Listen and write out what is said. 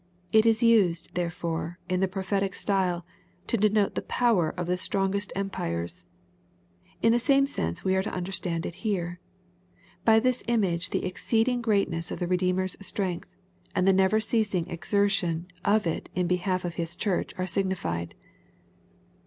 It is used, therefore in the prophetic style, to denote the power of the strongest empires. In the same sense we are to understand it here. Bj this image the exceeding great ness of the Redeemer's strength, and the never ceasing exertion of it in behalf of His church are signified."